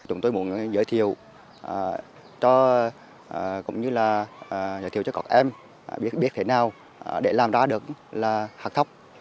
chúng tôi muốn giới thiệu cũng như là giới thiệu cho các em biết thế nào để làm ra được là học thóc